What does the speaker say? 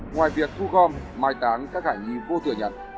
ngoài việc thu gom mai tán các hải nhi vô tựa nhận